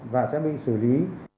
và sẽ bị xử lý